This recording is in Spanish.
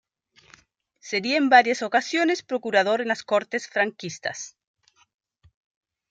Sería en varias ocasiones procurador en las Cortes franquistas.